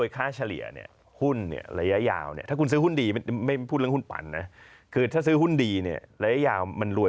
คือถ้าซื้อหุ้นดีเนี่ยระยะยาวมันรวย